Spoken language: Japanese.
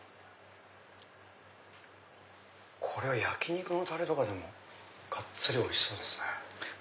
これは焼き肉のタレとかでもがっつりおいしそうですね。